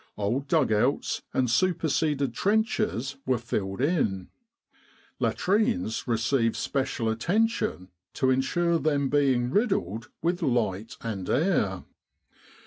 Old dug outs and superseded trenches were filled in. Latrines received special attention to ensure them being riddled with light and air.